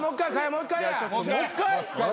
もう一回？